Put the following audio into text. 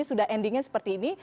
sudah endingnya seperti ini